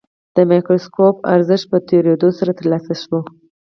د مایکروسکوپ ارزښت په تېرېدو سره ترلاسه شوی.